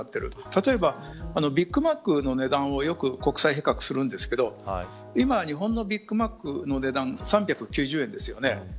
例えば、ビッグマックの値段をよく国際比較するんですけど今、日本のビッグマックの値段３９０円です。